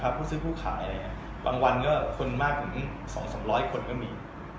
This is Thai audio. บางวันคนมากอย่าง๒๐๐๒๐๐คนก็มี